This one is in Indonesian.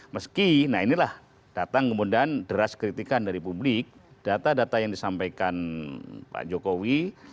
meski nah inilah datang kemudian deras kritikan dari publik data data yang disampaikan pak jokowi